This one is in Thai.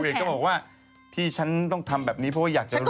ก็บอกว่าที่ฉันต้องทำแบบนี้เพราะว่าอยากจะรู้